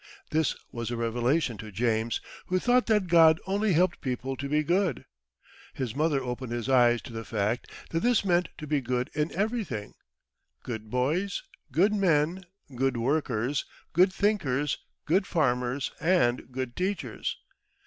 This was a revelation to James, who thought that God only helped people to be good. His mother opened his eyes to the fact that this meant to be good in everything "good boys, good men, good workers, good thinkers, good farmers, and good teachers."